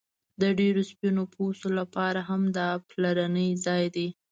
د ډیرو سپین پوستو لپاره هم دا پلرنی ځای دی